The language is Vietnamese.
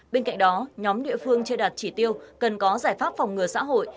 bên cạnh đó nhóm địa phương chưa đạt chỉ tiêu cần có giải pháp phòng ngừa xã hội